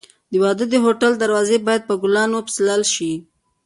د واده د هوټل دروازې باید په ګلانو وپسولل شي.